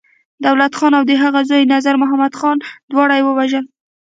دولت خان او د هغه زوی نظرمحمد خان، دواړه يې ووژل.